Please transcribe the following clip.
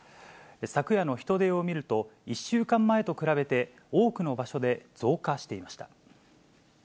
昨夜の人出を見ると、１週間前と比べて多くの場所で増加していました。